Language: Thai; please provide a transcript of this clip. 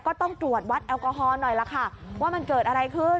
ก็ต้องตรวจวัดแอลกอฮอล์หน่อยล่ะค่ะว่ามันเกิดอะไรขึ้น